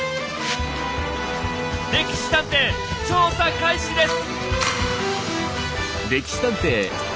「歴史探偵」調査開始です！